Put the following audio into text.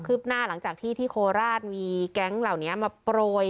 หน้าหลังจากที่ที่โคราชมีแก๊งเหล่านี้มาโปรย